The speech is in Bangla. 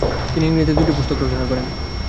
তিনি ইংরেজীতে দুটি পুস্তক রচনা করেন।